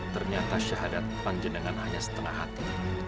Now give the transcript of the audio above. ternyata syahadat panjenengan hanya setengah hati